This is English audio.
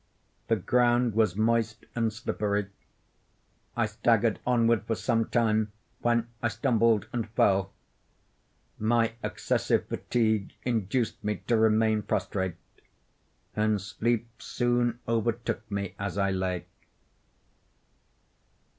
The ground was moist and slippery. I staggered onward for some time, when I stumbled and fell. My excessive fatigue induced me to remain prostrate; and sleep soon overtook me as I lay.